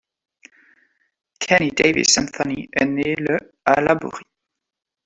Kenny Davis Anthony est né le à Laborie.